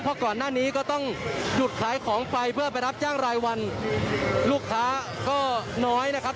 เพราะก่อนหน้านี้ก็ต้องหยุดขายของไปเพื่อไปรับจ้างรายวันลูกค้าก็น้อยนะครับ